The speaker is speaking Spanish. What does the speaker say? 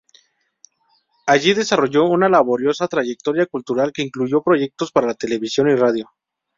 Allí desarrolló una laboriosa trayectoria cultural que incluyó proyectos para televisión y radio.